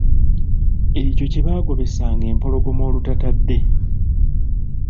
Ekyo kye baagobesanga empologoma olutatadde.